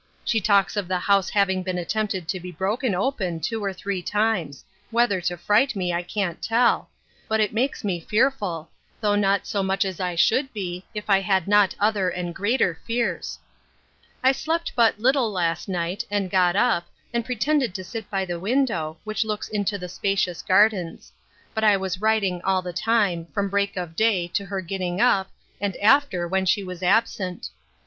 She talks of the house having been attempted to be broken open two or three times; whether to fright me, I can't tell; but it makes me fearful; though not so much as I should be, if I had not other and greater fears. I slept but little last night, and got up, and pretended to sit by the window, which looks into the spacious gardens; but I was writing all the time, from break of day, to her getting up, and after, when she was absent.